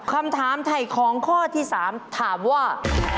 คำถามไถ่ของข้อที่๓ถามว่า